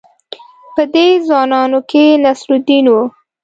په دې ځوانانو کې نصرالدین وو.